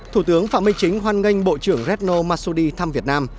thủ tướng phạm minh chính hoan nghênh bộ trưởng retno masudi thăm việt nam